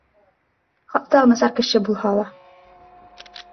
Хатта насар кеше булһа ла.